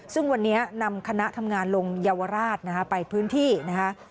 ซึ่งวันนี้นำคณะทำงานลงเยาวราชนะฮะไปพื้นที่นะคะ